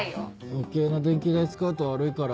余計な電気代使うと悪いから。